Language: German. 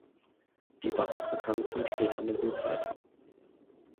Die barocke Kanzel steht an der Südseite.